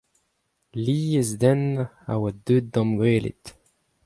Lies den a oa deuet da'm gwelet.